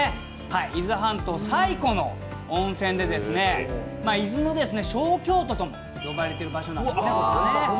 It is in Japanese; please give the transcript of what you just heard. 伊豆半島最古の温泉で、伊豆の小京都と呼ばれてる場所です。